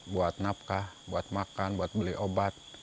buat napkah buat makan buat beli obat